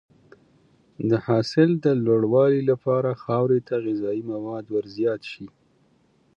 د حاصل د لوړوالي لپاره خاورې ته غذایي مواد ورزیات شي.